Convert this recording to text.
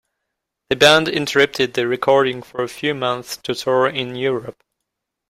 The band interrupted the recording for a few months to tour in Europe.